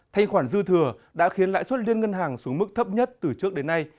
thanh khoản dư thừa đã khiến lại xuất liên ngân hàng xuống mức thấp nhất từ trước đến nay